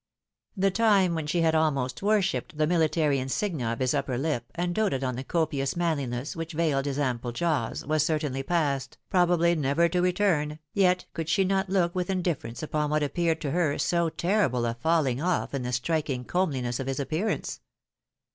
The time when she had almost worshipped the mihtary insignia of his upper lip, and doted on the copious manliness which veiled his ample jaws, was certainly passed, probably never to return, yet could she not look with indifference upon what appeared to her so terrible a faDing off in the striking comeliness of his appearance.